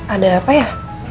ada apa ya